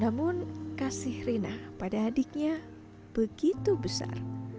namun kasih rina pada adiknya begitu besar